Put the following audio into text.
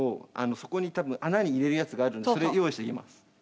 そこに多分穴に入れるやつがあるのでそれ用意しておきます。